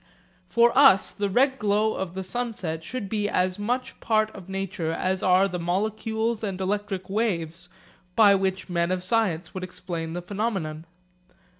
For us the red glow of the sunset should be as much part of nature as are the molecules and electric waves by which men of science would explain the phenomenon.